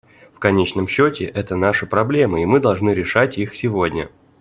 В конечном счете, это наши проблемы и мы должны решать их сегодня.